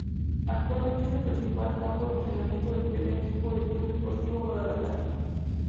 Actualmente es el principal campo de entrenamiento del primer equipo del Club Deportivo Guadalajara.